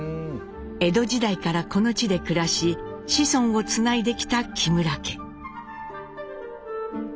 江戸時代からこの地で暮らし子孫をつないできた木村家。